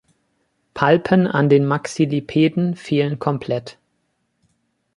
Palpen an den Maxillipeden fehlen komplett.